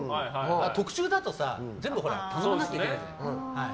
特殊だと全部、頼まなきゃいけないじゃん。